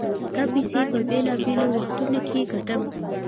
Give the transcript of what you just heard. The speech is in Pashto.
دا پيسې په بېلابېلو وختونو کې ګټم.